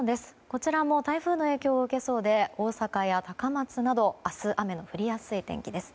こちらも台風の影響を受けそうで大阪や高松など明日、雨が降りやすい天気です。